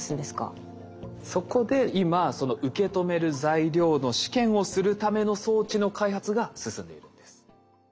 そこで今その受け止める材料の試験をするための装置の開発が進んでいるんです。